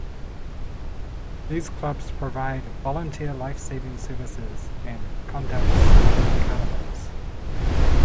These clubs provide volunteer lifesaving services and conduct sporting carnivals.